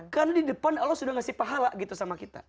karena di depan allah sudah ngasih pahala gitu sama kita